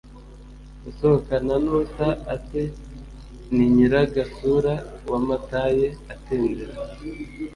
usohokana nusa ate, ni nyir'agasura wamataye atendera